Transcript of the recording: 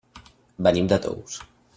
Venim de Tous.